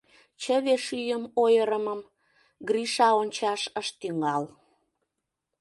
Чыве шӱйым ойырымым Гриша ончаш ыш тӱҥал.